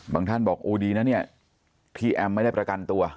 ท่านบอกโอ้ดีนะเนี่ยที่แอมไม่ได้ประกันตัว